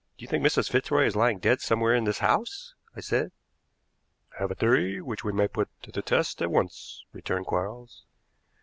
"You think Mrs. Fitzroy is lying dead somewhere in this house?" I said. "I have a theory which we may put to the test at once," returned Quarles.